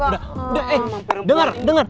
udah udah eh denger denger